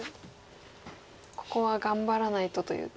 ここは頑張らないとという。